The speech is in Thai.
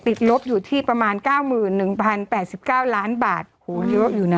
ติดลบอยู่ที่ประมาณเก้าหมื่นหนึ่งพันแปดสิบเก้าล้านบาทโหยกอยู่น่ะ